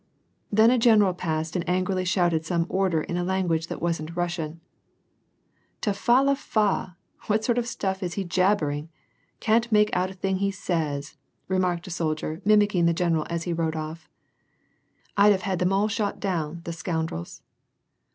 Then a general passed and angrily shouted some order in a language that wasn't Russian. " Tafa lafa ! what sort of stuff is he jabbering ! can't make out a thing he says," remarked a soldier mimicking the general as he rode off. " I'd have had them all shot down, the scoun drels!"